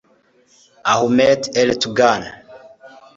Ahmet Ertgun